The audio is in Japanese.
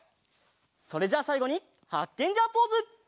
それじゃあさいごにハッケンジャーポーズ！